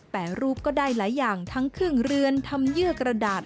รูปก็ได้หลายอย่างทั้งครึ่งเรือนทำเยื่อกระดาษ